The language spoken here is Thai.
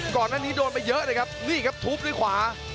ก่อนหน้านี้โดนไปเยอะเลยครับนี่ครับทุบด้วยขวา